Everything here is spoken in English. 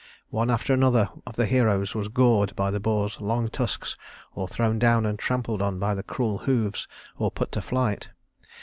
One after another of the heroes was gored by the boar's long tusks, or thrown down and trampled on by the cruel hoofs, or put to flight.